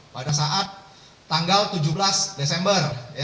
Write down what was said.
pada saat tanggal tujuh belas desember